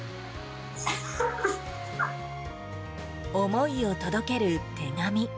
思いを届ける手紙。